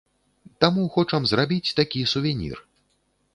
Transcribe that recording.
Таму хочам зрабіць такі сувенір.